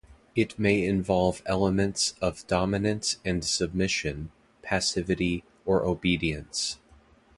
It may involve elements of dominance and submission, passivity or obedience.